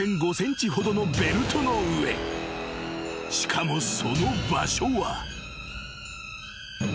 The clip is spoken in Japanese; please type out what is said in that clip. ［しかもその場所は］